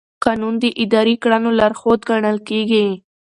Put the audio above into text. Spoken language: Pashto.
قانون د اداري کړنو لارښود ګڼل کېږي.